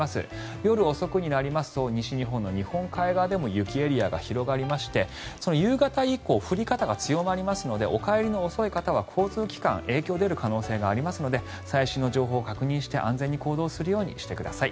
夜遅くになりますと西日本の日本海側でも雪エリアが広がりまして夕方以降降り方が強まりますのでお帰りの遅い方は交通機関影響が出る恐れもありますので最新の情報を確認して、安全に行動するようにしてください。